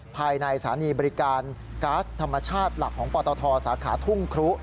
ภายในสถานีบริการก๊าซธรรมชาติหลักของปตทสาขาทุ่งครุ